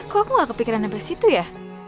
kok aku gak kepikiran sampai situ ya